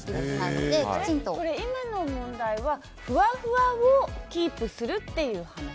今の問題はふわふわをキープするという話？